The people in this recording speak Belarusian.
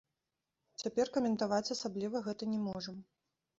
Цяпер каментаваць асабліва гэта не можам.